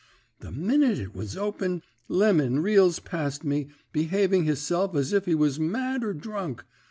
The minute it was open Lemon reels past me, behaving hisself as if he was mad or drunk.